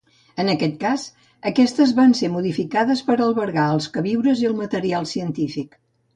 En aquest cas aquestes van ser modificades per albergar els queviures i el material científic.